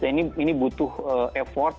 dan ini butuh effort